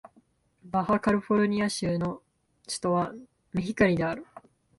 バハ・カリフォルニア州の州都はメヒカリである